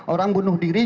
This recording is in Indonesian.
orang bunuh diri